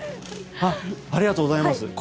ありがとうございます。